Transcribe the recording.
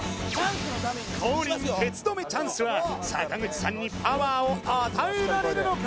後輪ケツ止めチャンスは坂口さんにパワーを与えられるのか？